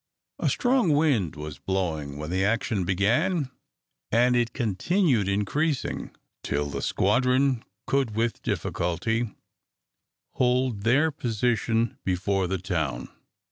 A strong wind was blowing when the action began, and it continued increasing, till the squadron could with difficulty hold their position before the town.